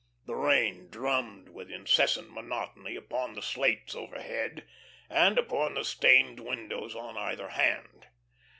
The rain drummed with incessant monotony upon the slates overhead, and upon the stained windows on either hand.